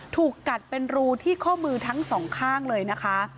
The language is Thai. ถูกกัดเป็นรูที่ข้อมือทั้งสองข้างเลยนะคะ